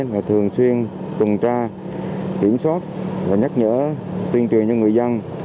là thường xuyên tuần tra kiểm soát và nhắc nhở tuyên truyền cho người dân